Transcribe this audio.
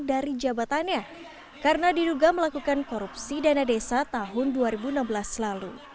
dari jabatannya karena diduga melakukan korupsi dana desa tahun dua ribu enam belas lalu